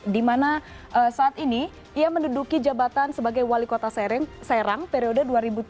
di mana saat ini ia menduduki jabatan sebagai wali kota serang periode dua ribu tujuh belas dua ribu dua